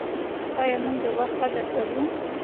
آیا موږ د وخت قدر کوو؟